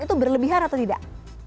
itu berlebihan atau tidak